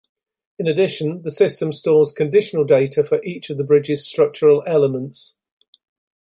In addition, the system stores condition data for each of a bridge's structural elements.